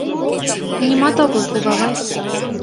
— Нимат огыл, кувавай.